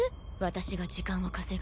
私が時間を稼ぐ。